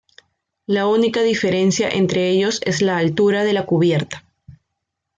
La única diferencia entre ellos es la altura de la cubierta.